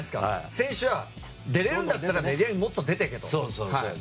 選手は、出れるんだったらもっと出ていけと。